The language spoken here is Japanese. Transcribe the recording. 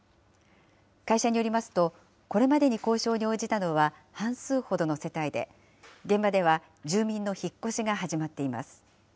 会社によりますと、これまでに交渉に応じたのは半数ほどの世帯で、現場では、住民の引っ越しが始まっています。